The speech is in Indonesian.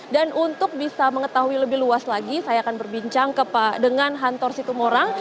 dan untuk bisa mengetahui lebih luas lagi saya akan berbincang dengan hantor situmorang